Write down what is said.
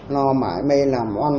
nó mãi mê làm ăn